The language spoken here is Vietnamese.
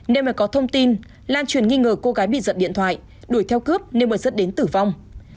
nên lan truyền nghi ngờ cô gái bị giận điện thoại đuổi theo cướp nên bật dứt đến tử vong